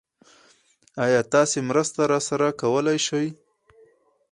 ايا تاسې مرسته راسره کولی شئ؟